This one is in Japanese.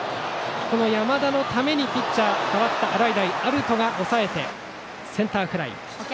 この山田のためにピッチャー代わった洗平歩人が抑えてセンターフライ。